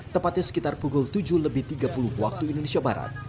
tepatnya sekitar pukul tujuh lebih tiga puluh waktu indonesia barat